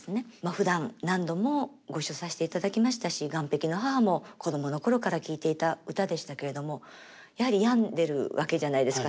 ふだん何度もご一緒させていただきましたし「岸壁の母」も子供の頃から聴いていた歌でしたけれどもやはり病んでるわけじゃないですか